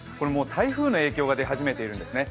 台風の影響が出始めているんですね。